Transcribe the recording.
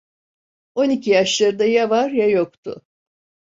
On iki yaşlarında ya var, ya yoktu.